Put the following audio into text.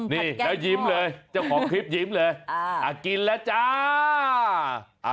นี่แล้วยิ้มเลยเจ้าของคลิปยิ้มเลยกินแล้วจ้า